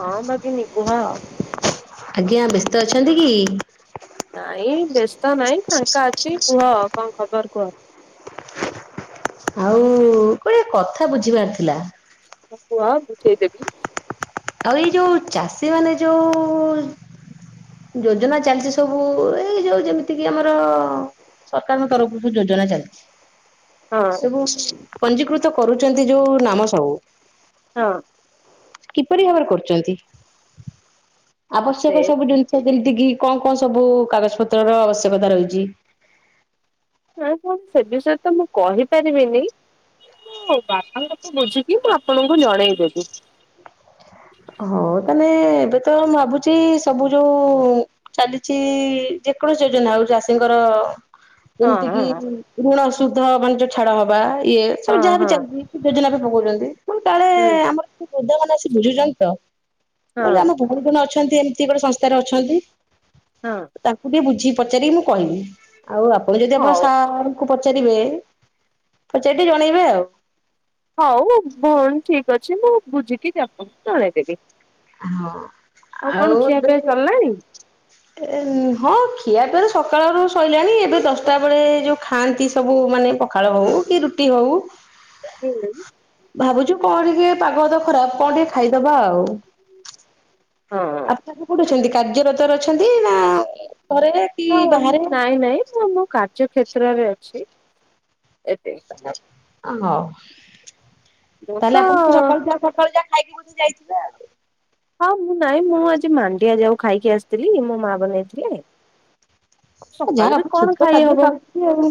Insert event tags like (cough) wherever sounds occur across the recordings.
ହଁ ଭଗିନୀ କୁହ? ଆଜ୍ଞା ବ୍ୟସ୍ତ ଅଛନ୍ତି କି? ନାଇଁ ବ୍ୟସ୍ତ ନାଇଁ ଫାଙ୍କା ଅଛି କୁହ କଣ ଖବର କୁହ? ଆଉ ଗୋଏ କଥା ବୁଝିବାର୍ ଥିଲା। କୁଅ ବୁଝେଇଦେବି। ଆଉ ଏଇ ଯୋଉ ଚାଷୀ ମାନେ ଯୋଉ ଯୋଜନା ଚାଲିଛି ସବୁ ଏଇ ଯୋଉ ଯେମିତି କିି ଆମର ସରକାରଙ୍କ ତରଫରୁ ଯୋଉ ଯୋଜନା ଚାଲିଚ଼ି ହଁ ସବୁ ପଞ୍ଜିକୃତ କରୁଚ଼ନ୍ତି ଯୋଉ ନାମ ସବୁ ହଁ। କିପରି ଭାବରେ କରୁଚନ୍ତି ସେ ଆବଶ୍ୟକ ସବୁ ଜିନି ଯେମିତି କି କଁ କଁ ସବୁ କାଗଜ ପତ୍ର ର ଆବଶ୍ୟକତା ରହିଚି? ନାଁ ମୁଁ ସେ ବିଷୟରେ ତ ମୁଁ କହିପାରିବିନି। ହଉ ବାପାଙ୍କ ଠୁ ବୁଝିକି ମୁଁ ଆପଣଙ୍କୁ ଜଣେଇଦେବି। ହଉ ତାନେ ଏବେତ ମୁ ଭାବୁଛି ସବୁ ଯୋଉ ଚାଲିଛି ଯେକୌଣସି ଯୋଜନା ହଉ ଚାଷୀଙ୍କର ହଁ ହଁ ଯେମିତିକିି ଋ ଋଣ ସୁଧ ମାନେ ଯୋଉ ଛାଡ ହବା ଇଏ ସବୁ ହଁ ଯାହାବି ହଁ ଚାଲୁଛି। ଯୋଜନାରେ ପକଉଛନ୍ତି ତୁ କାଳେ ହୁଁ ଆମର ବୃଦ୍ଧ ମାନେ ଆସି (unintelligible) ମୁ କହିଲି ହଁ ଆଉ କଣ ଅଛନ୍ତି ଏମିତି କଣ ସଂସ୍ଥାରେ ଅଛନ୍ତି। ହଁ ତାଙ୍କୁ ବି ବୁଝିକି ପଚାରିକି ମୁଁ କହିବି ଆଉ ଆପଣ ଯଦି ଆପଣ ହଉ। ସାର୍ କୁ ପଚାରିବେ, ପଚାରି ଜଣେଇବେ ଆଉ। ହଉ, ଭଉଣୀ ଠିକ ଅଛି ମୁଁ ବୁଝିକି (unintelligible) ଜଣେଇଦେବି। ହଁ, କଣ ଆଉ ଖିଆ ଦେ ପିଆ ସରିଲାଣି? ଏ, ହଁ ଖିଆପିଆ ତ ସକାଳରୁ ସରିଲାଣି, ଏବେ ଦଶଟା ବେଳେ ଯୋଉ ଖାଆନ୍ତି ସବୁ ମାନେ ପଖାଳ ହଉ କି ରୁଟି ହଉ। (unintelligible) ଭାବୁଛୁ କଣ ଇଏ ପାଗ ତ ଖରାପ, କଣ ଟିକେ ଖାଇଦବା ଆଉ। ହଁ। (unintelligible) କୋଉଠି ଅଛନ୍ତି, କାର୍ଯ୍ୟ (unintelligible) ଅଛନ୍ତି ନା ଘରେ କି ହଁ, ବାହାରେ? ମୁଁ ନାଇଁ ନାଇଁ, ମୁଁ ମୋ କାର୍ଯ୍ୟ କ୍ଷେତ୍ରରେ ଅଛି ଏବେ। (unintelligible) ଆ ହଉ, ମୁଁ ତାହେଲେ ତ ଆପଣଙ୍କୁ ପୁରା (unintelligible) ଖାଇକି ବୋଧେ ଯାଇଥିବେ ଆଉ। ହଁ, ମୁଁ ନାଇଁ, ମୁଁ ଆଜି ମାଣ୍ଡିଆ ଜାଉ ଖାଇକି ଆସିଥିଲି, ମୋ ମା ବନେଇଥିଲେ। ଯାହା ସକାଳୁ ବି ଆପଣ କଣ ସୁସ୍ଥ ଖାଇ ଖାଦ୍ୟ ହବ। ଖାଉଛନ୍ତି ଆଉ।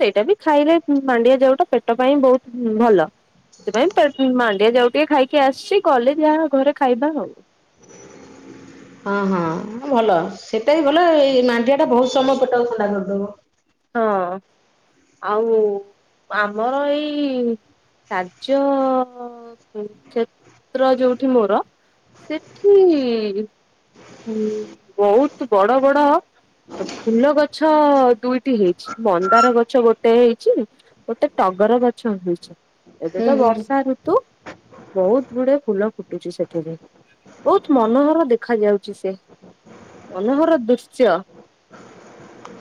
ସେଇଟା ବି ଖାଇଲେ ମାଣ୍ଡିଆ ଜାଉଟା ପେଟ ପାଇଁ ବହୁତ ଭଲ। ସେଥିପାଇଁ (unintelligible) ମାଣ୍ଡିଆ ଜାଉ ଟିକେ ଖାଇକି ଆସିଛି, ଗଲେ ଯାହା ଘରେ ଖାଇବା ଆଉ। ହଁ ହଁ ଭଲ, ସେଟା ବି ଭଲ ଏଇ ମାଣ୍ଡିଆ ଟା ବହୁତ ସମୟ ପେଟକୁ ଥଣ୍ଡା କରିଦବ। ହଁ, ଆଉ ପାମର ଏଇ କାର୍ଯ୍ୟ କ୍ଷେତ୍ର ଯୋଉଠି ମୋର ସେଠି ହୁଁ, ବହୁତ ବଡ ବଡ ଫୁଲ ଗଛ ଦୁଇଟି ହେଇଛି, ମନ୍ଦାର ଗଛ ଗୋଟେ ହେଇଛି। ଗୋଟେ ଟଗର ଗଛ (unintelligible) ଏବେ ହୁଁ ତ ହୁଁ ବର୍ଷା ଋ ତୁ ବହୁତ ବଡ ଫୁଲ ଫୁଟୁଛି ସେଥିରେ, ବହୁତ ମନୋହର ଦେଖାଯାଉ ଛି ସେ ମନୋହର ଦୃଶ୍ୟ।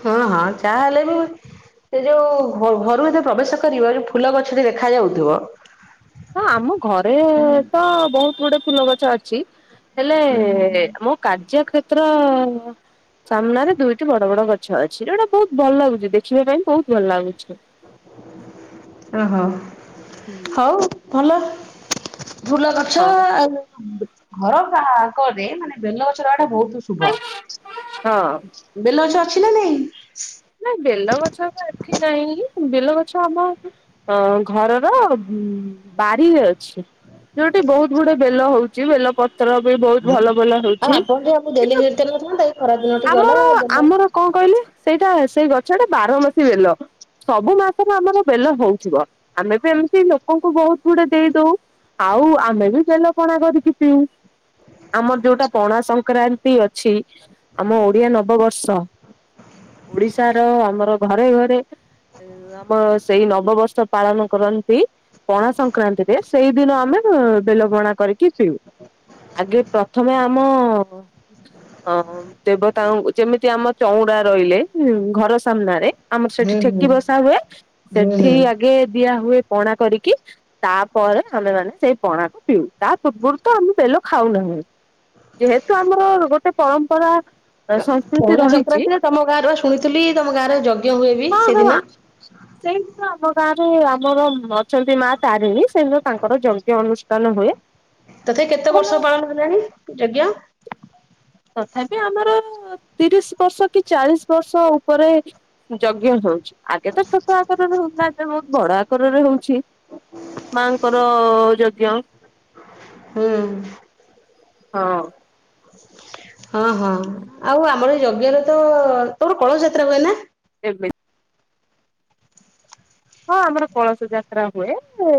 ହଁ ହଁ, ଯାହା ହେଲେ ବି ସେ ଯୋଉ ଘ ଘରୁ ଏତେ ପ୍ରବେଶ କରିବ, ଯୋଉ ଫୁଲ ଗଛଟା ଦେଖା ଯାଉଥିବ। ହଁ ଆମ ଘରେ ତ ବହୁତ ଗୁଡେ ଫୁଲ ଗଛ ଅଛି, ହେଲେ ହୁଁ ହୁଁ। ଆମ କାର୍ଯ୍ୟ କ୍ଷେତ୍ର ସାମ୍ନାରେ ଦୁଇଟି ବଡ ବଡ ଗ- ଛ ଅଛି, ଯୋଉଟା ବହୁତ ଭଲ ଲାଗୁଛି, ଦେଖିବା ପାଇଁ ବହୁତ ଭଲ ଲାଗୁଛି। ଓହୋ, ହୁଁ। ହଉ ଭଲ। ଫୁଲ ଗଛ ହଁ ଆଉ ଘର ଫାଙ୍କରେ, ମାନେ ବେଲଗଛର ଆଡେ ବହୁତ ଶୁଭ, ହଁ। ବେଲଗଛ ଅଛି ନା ନାଇଁ? ନା ବେଲଗଛ ତ ଏଠି ନାଇଁ, ବେଲଗଛ ଆମ ଅ ଘରର ବାଡିରେ ଅଛି। ଯୋଉଠି ବହୁତ ଗୁଡେ ବେଲ ହଉଛି, ବେଲ ପ- ପତ୍ର ବି ବହୁତ ହଁ ଭଲ ଭଲ ଆଉ ହେଉଛି ଆପଣ ଟିକେ ଆମକୁ ଦେଲେ ହେରିତେଲ କିନ୍ତୁ ନଥାନ୍ତା ଏଇ ଖରା ଦିନଟି ଗଲା ଆମର ବେଲ ଆମର କଣ କହିଲେ, ସେଇଟା ସେଇ ଗଛଟା ବାର ମାସି ବେଲ ସବୁ ମାସରେ ଆମର ବେଲ ହଉଥିବ, ଆମେ ବି ଏମିତି ଲୋକଙ୍କୁ ବହୁତ ଗୁଡେ ଦେଇ ଦଉ। ଆଉ ଆମେ ବି ବେଲ ପଣା କରିକି ପିଉ। ଆମର ଯୋଉଟା ପଣା ସଂକ୍ରାନ୍ତି ଅଛି, ଆମ ଓଡିଆ ନବବର୍ଷ। ଓଡିଶାର ଆମର ଘରେ ଘରେ ଆମ ସେଇ ନବବର୍ଷ ପାଳନ କରନ୍ତି। ପଣା ସଂକ୍ରାନ୍ତିରେ ସେଇଦିନ ଆମେ ବେଲ ପଣା କରିକି ପିଉ। ଆଗେ ପ୍ରଥମେ ଆମ ଅ ଦେବତାଙ୍କୁ ଯେମିତି ଆମ ଚଉଁରା ରହିଲେ ଘର ସାମ୍ନାରେ ଆମର ହୁଁ ସେଠି ହୁଁ ଠେକି ବସା ହୁଁ ହୁଏ ହୁଁ ସେଠି ଆଗେ ଦିଆ ହୁଏ ପଣା କରିକି। ତାପରେ ଆମେ ମାନେ ସେଇ ପଣାକୁ ପିଉ ତା ପୂର୍ବରୁ ତ ଆମେ ବେଲ ଖାଉନାହୁଁ। ଯେହେତୁ ଆମର ଗୋଟେ ପରମ୍ପରା ତା ସ ପଣା ସଂକ୍ରାନ୍ତିରେ ତମ ଗାଁରେ ପା ଶୁଣିଥିଲି ତମ ଗାଁରେ ଯଜ୍ଞ ହୁଏ ବି ସେଦିନ? ସେଇଦିନ ଆମ ଗାଁରେ ଆମର ଅଛନ୍ତି ମା ତାରିଣୀ ସେଇଦିନ ତାଙ୍କର ଯଜ୍ଞ ଅନୁଷ୍ଠାନ ହୁଏ। ତଥାପି କେତେ ଭଲ ବର୍ଷ ପାଳନ ହେଲାଣି ଯଜ୍ଞ? ତଥାପି ଆମର ତିରିଶ ବର୍ଷ କି ଚାଳିଶ ବର୍ଷ ଉପରେ ଯଜ୍ଞ ହଉଛି ଆଗେ ତ ଛୋଟ ଆକାରରେ ବି ହଉଥିଲା ଏବେ ବହୁତ ବଡ ଆକାରରେ ହଉଛି। ମାଆଙ୍କର ଯଜ୍ଞ। ହଁ ହଁ। (inaudible) ହଁ ହଁ ଆଉ ଆମର ଏଇ ଯଜ୍ଞରେ ତ ତମର କଳସ ଯାତ୍ରା ହୁଏ ନା? ଏବେ ହଁ ଆମର କଳସ ଯାତ୍ରା ହୁଏ ଉଁ।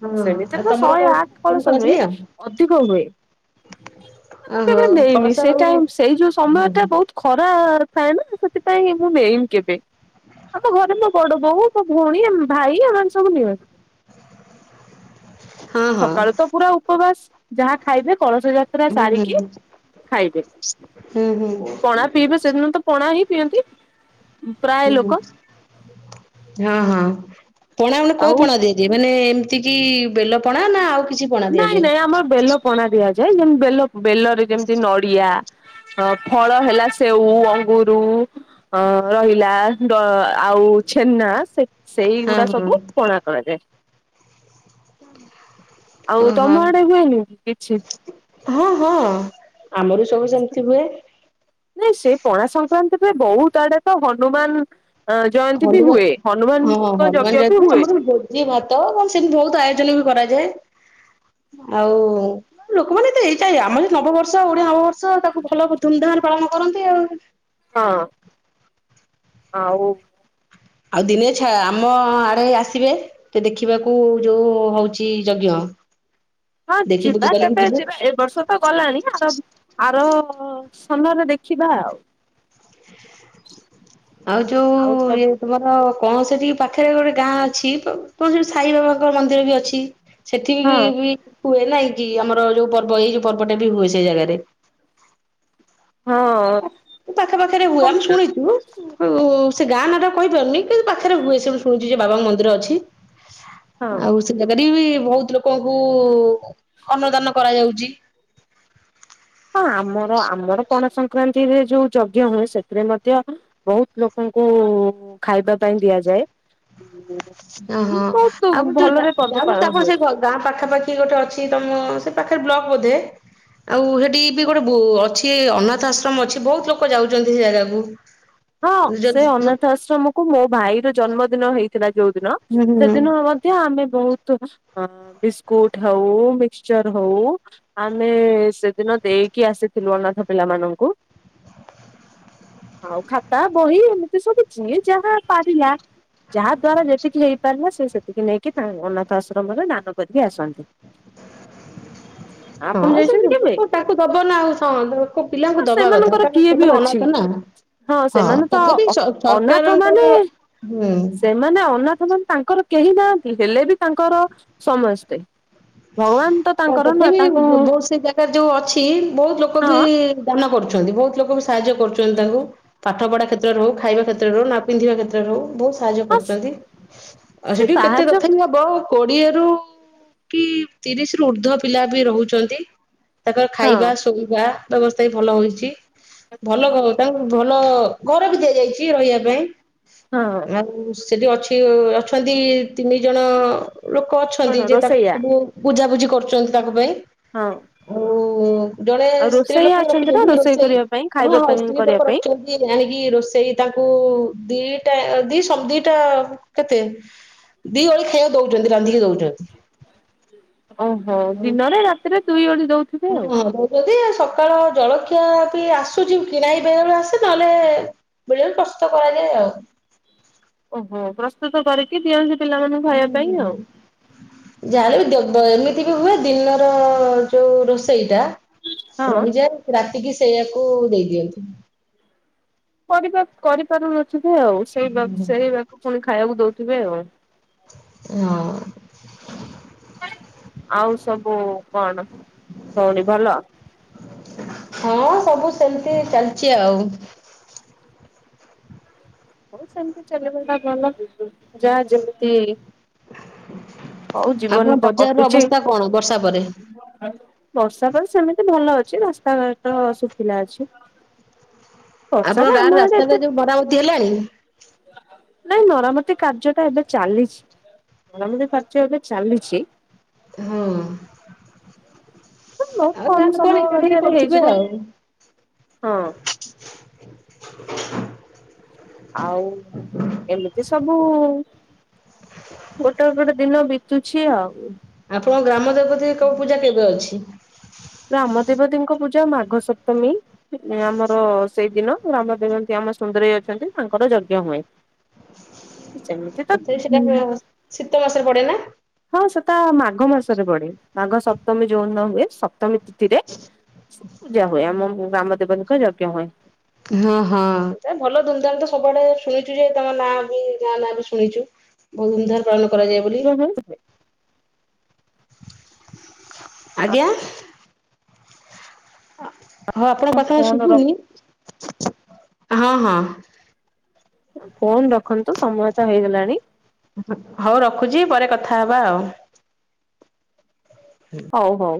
ହଁ ଆଉ ସେମିତିରେ ତ ତମର ଶହେ କଣ ଆଠ ତମେ କଳସ ହୁଏ ନିଅ? ଅଧିକ ହୁଏ। ମୁଁ ଓହୋ କେବେ ନେଇନି କଳସ ସେଇ ଆଉ ଟାଇମ ସେଇ ଯୋଉ ସମୟ ଟା ବହୁତୁ ଖରା ଥାଏ ନା ସେଥିପାଇଁ ମୁଁ ନେଇନି କେବେ। ଆମ ଘରେ ମୋ ବଡ ବୋଉ ମୋ ଭଉଣୀ ଆମ ଭାଇ ଏମାନେ ସବୁ ନିଅନ୍ତି। ହଁ ହଁ ସକାଳୁ ତ ପୁରା ଉପବାସ ଯାହା ଖାଇବେ କଳସ ଯା ଉଁ ଜାଣିନି। ଖାଇବେ ପଣା ପିଇବେ ସେଦିନ ତ ପଣା ହିଁ ପିଅନ୍ତି। ପ୍ରାୟ ହୁଁ ହୁଁ ଲୋକ। ହଁ ହଁ ପଣା ଉଣା କୋଉ ଆଉ ପଣା ରେ ଯେ ମାନେ ଏମିତି କିି ବେଲ ପଣା ନା ଆଉ କିଛି ପଣା ନାଇଁ ଦିଆଯାଏ? ନାଇଁ ଆମର ବେଲ ପଣା ଦିଆଯାଏ ଯେମତି ବେଲ ବେଲରେ ଯେମତି ନଡିଆ ହ ଫଳ ହେଲା ସେଉ ଅଙ୍ଗରୁ ଅ ରହିଲା ଡ ଆଉ ଛେନା ସେ ହଁ ସେହିଗୁଡା ହଁ ସବୁ ପଣା କରାଯାଏ। ଆଉ ଓହୋ ତମ ଆଡେ ହୁଏନି କିଛି? ହଁ ହଁ ଆମର ବି ସବୁ ସେମତି ହୁଏ। ନାଇଁ ସେ ପଣା ସଂକ୍ରାନ୍ତିରେ ବହୁତ ଆଡେ ତ ହନୁମାନ ଅ ଜୟନ୍ତୀ ବି ହନୁମାନ ହୁଏ ହନୁମାନଙ୍କ ଯଜ୍ଞ ବି ହୁଏ। ଘି ଭାତ କଣ ସେମିତି ବହୁତ ଆୟୋଜନ ବି କରାଯାଏ ଆଉ ଲୋକମାନେ ତ ଏଇଟା ଆମର ଏଇ ନବବର୍ଷ। ଓଡିଆ ନବବର୍ଷ ତାକୁ ଭଲ ଧୁମ୍ ଧାମ୍ ରେ ପାଳନ କରନ୍ତି ଆଉ। ହଁ ଆଉ। ଆଉ ଦିନେ ଛା ଆମ ଆଡେ ଆସିବେ। ତେ ଦେଖିବାକୁ ଯୋଉ ହଉଛି ଯଜ୍ଞ। ହଁ ଦେଖି ବୁଲି ଯିବା ବାଲିକି କେବେ ଯିବେ ଯିବା ଏ ବର୍ଷ ତ ଗଲାଣି ଆର ଆର ସୁନରେ ଦେଖିବା ଆଉ। ଆଉ ଯୋଉ ଇଏ ତମ ହ କଣ ସେଠି ପାଖରେ ଗୋଟେ ଗାଁ ଅଛି ତ ତ ସାଇ ବାବାଙ୍କ ମନ୍ଦିର ବି ଅଛି। ସେଠିକି ହଁ ବି ହୁଏ ନାଇଁ କି ଆମର ଯୋଉ ପର୍ବ ଏଇ ଯୋଉ ପର୍ବଟା ବି ହୁଏ ସେଇ ଜାଗାରେ। ହଁ ପାଖା ପାଖରେ ହୁଏ ଆମେ ଶୁଣିଛୁ। ହଉ ସେ ଗାଁ ନାଟା କହିପାରୁନି କିନ୍ତୁ ପାଖରେ ହୁଏ ସେ ଶୁଣୁଛି ଯେ ବାବାଙ୍କ ମନ୍ଦିର ଅଛି। ଆଛ। ହଁ ଆଉ ସେ ଜାଗାରେ ବି ବହୁତ ଲୋକଙ୍କୁ ଅନ୍ନଦାନ କରାଯାଉଛି। ହଁ ଆମର ଆମର ପଣ ସଂକ୍ରାନ୍ତିରେ ଯୋଉ ଯଜ୍ଞ ହୁଏ ସେଥିରେ ମଧ୍ୟ ବହୁତ ଲୋକଙ୍କୁ ଖାଇବା ପାଇଁ ଦିଆଯାଏ। ଓହୋ ବହୁତ ଆଉ ଯୋଉ ଭଲରେ ପର୍ବ ଯୁ ପାଳନ ତାପ ହୁଏ ସେ ଗାଁ ପାଖା ପାାଖି ଗୋଟେ ଅଛି ତମ ସେ ପାଖରେ ବ୍ଲକ ବୋଧେ ଆଉ ସେଠି ବି ଗୋଟେ ଅଛି ଅନାଥ ଆଶ୍ରମ ଅଛି ବହୁତ ଲୋକ ଯାଉଛନ୍ତି ସେ ଜାଗାକୁ। (inaudible) ହଁ ଯ-ଯ ସେ ଅନାଥ ହୁଁ ଆଶ୍ରମକୁ ମୋ ଭାଇ ର ଜନ୍ମଦିନ ହେଇଥିଲା ଯୋଉ ଦିନ ହୁଁ ସେଦିନ ଆମ ଆମେ ବହୁତ ବିସ୍କୁଟ ହଉ ମିକସଚର ହଉ। ଆମେ ସେଦିନ ଦେଇକି ଆସିଥିଲୁ ଅନାଥ ପିଲା ମନଙ୍କୁ। ଖାତା ବହି ଏମିତି ସବୁଛି ଯାହା ପାରିଲା ଯାହା ଦ୍ଵାରା ଯେତିକି ହେଇପାରିଲା ସେ ସେତିକି ନେଇକି ତାଙ୍କ ଅନାଥ ଆଶ୍ରମରେ ଦାନ କରିକି ଆସନ୍ତି। ଆପଣ ହଁ ସେ ଯାଇଛନ୍ତି କେବେ? ତାଙ୍କୁ ଦବ ନା ଆଉୋ ପିଲାଙ୍କୁ ଦବା କଥା ସେମାନଙ୍କର କାରଣ କିଏ ବି ସେମାନେ ଅଛି ଅନାଥ ନା। ହଁ ସେମାନେ ତ ତଥାପି ଅନାଥ ସରକାରଙ୍କର ହୁଁ ମାନେ ଅନାଥ ମାନେ ତାଙ୍କର କେହି ନା ହେଲେ ବି ତାଙ୍କର ସମସ୍ତେ। ଭଗବାନ ତ ତାଙ୍କର ନା ତଥାପି ତାଙ୍କୁ ବହୁତ ସେଇ ଜାଗାରେ ଯୋଉ ଅଛି ବହୁତ ଲୋକ ବି ହଁ ଦାନ କରୁଛନ୍ତି ବହୁତ ଲୋକ ସାହାଯ୍ୟ କରୁଛନ୍ତି ତାଙ୍କୁ। ପାଠଢ଼ା କ୍ଷତ୍ରରେ ହେ ଖାଇବା କ୍ଷତ୍ରରୁଉ ପିନ୍ଧିବା କ୍ଷେତରେଉ ବତ ସାହାଯ୍ୟ ହଁ କରୁଛନ୍ତି ଆଉ ସେ ସେଠି କେତେ ସାହାଯ୍ୟ ତଥ ହି ହବ କୋଡିଏରୁ। କି ତିରିଶ ରୁ ଉର୍ଦ୍ଧ ପିଲା ବି ରହୁଛନ୍ତି ତାଙ୍କର ହଁ ଖାଇବା ଶୋଇବା।। ବ୍ୟବସ୍ଥା ବି ଭଲ ହୋଇଛି ଭଲ ତାଙ୍କୁ ଭଲ ଘର ବି ଦିଆଯାଇଛି ରହିବା ପାଇଁ। ହଁ। ଆଉ ସେଠି ଅଛି ଅଛନ୍ତି ତିନି ଜଣ ଲୋକ କଣ ଅଛନ୍ତି ଯେ ତାଙ୍କ। ରୋଷେଇଆ ବୁଜାାବୁଝି କରୁଛନ୍ତି ତାଙ୍କ ପାଇଁ। ହଁ। ଆଉ ଜଣେ ଆଉ ସ୍ତ୍ରୀ ରୋଷେଇଆ ଲୋକ ବି ଅଛନ୍ତି ନା ରଖୁଛନ୍ତି ରୋଷେଇ କରିବା ପାଇଁ ହଁ ଖାଇବା ହଁ ପାଇଁ ସ୍ତ୍ରୀ କରିବା ଲୋକ ପାଇଁ ରଖିଛନ୍ତି। ଆଣିକି ରୋଷେଇ ତାଙ୍କୁ ଦିଟା ଦି ସ ଦିଟା କେତେ। ଦି ଓଳି ଖାଇବାକୁ ଦଉଛନ୍ତି ରାନ୍ଧିକି ଦଉଛନ୍ତି। ଓହୋ ହଁ ଦିନରେ ରାତିରେ ଦୁଇ ଓଳି ଦଉ ହଁ। ଯଦି ସକାଳ ଜଳଖିଆ ବି ଆସୁଛି କିଣାଇବେବେଳେ ଆସେ ତାହେଲେ ବୁଲିବ ପ୍ରସ୍ତତ କରାଯାଏ ଆଉ। ଓହୋ ପ୍ରସ୍ତୁତ କରିକି ଦିଅନ୍ତି ପିଲାମାନଙ୍କୁ ଖାଇବା ପାଇଁ ଆଉ। ଯାହାର ବି ଦେବ ଏମିତି ବି ହୁଏ ଦିନର ଯୋଉ ରୋଷେଇ ଟା ହଁ ରଣଜା ରାତିକି ସେଇଆାକୁ ଦେଇଦିଅନ୍ତିୁ। କରିପାରୁନଥିବେ ଆଉ ସେଇ ସେଇ ବାକୁ ପୁଣି ଖାଇବାକୁ ଦଉଥିବେ ଆଉ। ହଁ। ଆଉ ସବୁ କଣ କଉଣ ଭଲ। ହଁ ସବୁ ସେମିତି ଚାଲିଛି ଆଉ। ହଉ ସେମିତି ଚାଲିବଟା ଭଲ ଯାହା ଯେମିତି ହଉ ଆପଣ ଜୀବନ ତ ବଜାରର କଟୁଛି। ଅବସ୍ଥା କଣ ବର୍ଷା ପରେ? ବର୍ଷା କଳ ସେମିତି ଭଲ ଅଛି ରାସ୍ତାଘାଟ ଶୁଖିଲା ଅଛି। ପର୍ଷଦ ଆମ ଏତେ ତି ହେଲାଣି। ନାଇଁ ମରାମତି କାର୍ଯ୍ୟ ଟା ଏବେ ଚାଲିଛି। ମରମତି ଖର୍ଚ ଏବେ ଚାଲିଚି। ହଁ। ବହୁତ ଆଉ ଗାଁ କମ ଲୋକ କଣ ସମୟ ଏକାଠି ହେଇ ମଧ୍ୟରେ କରୁଥିବେ ହେଇଯିବ ଆଉ। ହଁ। ଆଉ ଏମିତି ସବୁ। ଗୋଟେ ଗୋଟେ ଦିନ ବିତୁଛି ଆଉ। ଆପଣଙ୍କ ଗ୍ରାମ ଦେବତି କଉ ପୂଜା କେବେ ଅଛି? ଗ୍ରାମ ଦେବତୀଙ୍କ ପୂଜା ମାଘ ସପ୍ତମୀ। ଆମର ସେଇଦିନ ରାମ ଦେବନ୍ତି ଆମ ସୁନ୍ଦରେଇ ଅଛନ୍ତି ତାଙ୍କର ଯଜ୍ଞ ହୁଏ। (inaudible) (unintelligible) ତଥାପି ସେଟା (unintelligible) ଶୀତ ମାସରେ ପଡେ ନା? ହଁ ସେଟା ମାଘ ମାସରେ ବଡେ ମାଘ ସପ୍ତମୀ ଯୋଉନ ହୁଏ ସପ୍ତମୀ ତିରେ ପୂଜା ହୁଏ ଆମ ଗ୍ରାମ ଦେବତୀଙ୍କ ଯଜ୍ଞ ହୁଏ। ହଁ ହଁ ଭଲ ଧୁମଧାମ ତ ସବୁଆଡେ ଶୁଣିଚି ଯେ ତମ ନାଁ ବି ଗାଁ ନାଁ ବି ଶୁଣିଛୁ। ବହୁ ଧୂମଧାମରେ ପାଳନ କରାଯ ଯାଏ ବୋଲି। ଆଜ୍ଞା। ହଁ ଆପଣଙ୍କ କଥା ଫୋନ ରଖ ଶୁଭୁନି, ହଁ ହଁ। ଫୋନ ରଖନ୍ତୁ ସମୟ ତ ହେଇଗଲାଣି। ହଉ ରଖୁଛି ପରେ କଥା ହବା ଆଉ। ହଉ ହଉ।